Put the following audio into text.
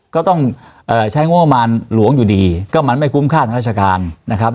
ก็ต้องใช้งบประมาณหลวงอยู่ดีก็มันไม่คุ้มค่าทางราชการนะครับ